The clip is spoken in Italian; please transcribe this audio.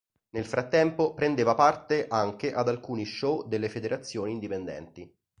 Nel frattempo, prendeva parte anche ad alcuni show delle federazioni indipendenti.